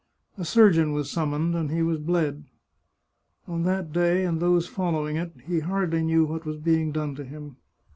A surgeon was summoned and he was bled. On that day and those following it he hardly knew what was being done to him.